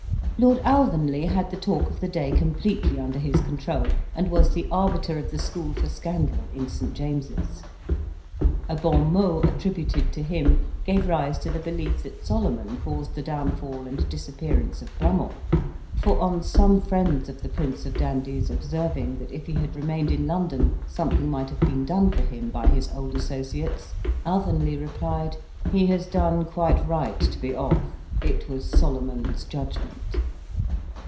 Lord Alvanley had the talk of the day completely under his control, and was the arbiter of the school for scandal in St. James's. A bon mot attributed to him gave rise to the belief that Solomon caused the downfall and disappearance of Brummell; for on some friends of the prince of dandies observing that if he had remained in London something might have been done for him by his old associates, Alvanley replied, "He has done quite right to be off: it was Solomon's judgment."